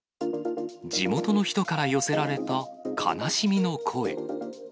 地元の人から寄せられた悲しみの声。